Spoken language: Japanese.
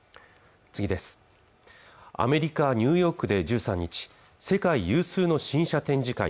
アメリカニューヨークで１３日世界有数の新車展示会